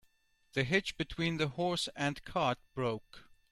The hitch between the horse and cart broke.